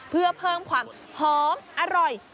เพื่อเพิ่มความหอมอร่อย